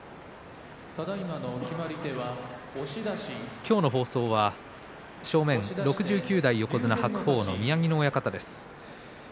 今日の放送は正面、６９代横綱白鵬の宮城野親方です。